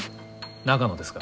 長野ですか？